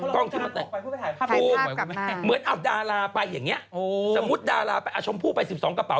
พอถึงเวลาก็ไม่รู้ก็ว่า